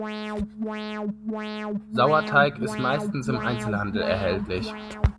Sauerteig ist meistens im Einzelhandel erhältlich.